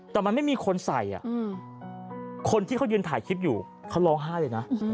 แต่มันไม่มีคนใส่คนที่เขายืนถ่ายคลิปอยู่เขาร้องไห้เลยนะ